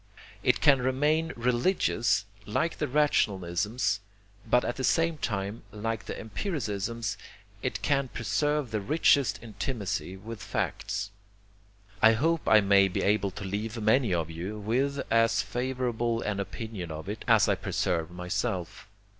It can remain religious like the rationalisms, but at the same time, like the empiricisms, it can preserve the richest intimacy with facts. I hope I may be able to leave many of you with as favorable an opinion of it as I preserve myself.